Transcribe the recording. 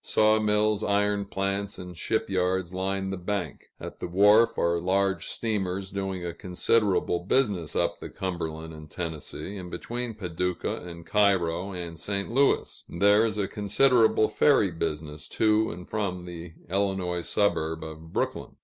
Saw mills, iron plants, and ship yards line the bank; at the wharf are large steamers doing a considerable business up the Cumberland and Tennessee, and between Paducah and Cairo and St. Louis; and there is a considerable ferry business to and from the Illinois suburb of Brooklyn.